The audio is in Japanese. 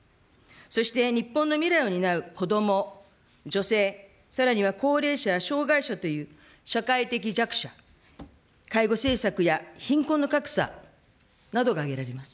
そして日本の未来を担う子ども、女性、さらには高齢者や障害者という社会的弱者、介護政策や貧困の格差などが挙げられます。